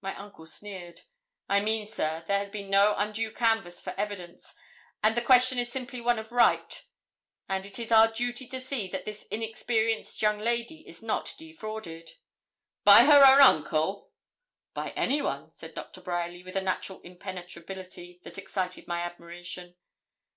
My uncle sneered. 'I mean, sir, there has been no undue canvass for evidence, and the question is simply one of right; and it is our duty to see that this inexperienced young lady is not defrauded.' 'By her own uncle?' 'By anyone,' said Doctor Bryerly, with a natural impenetrability that excited my admiration.